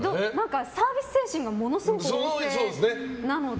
サービス精神がものすごく旺盛なので。